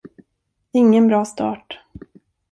Ingen bra start.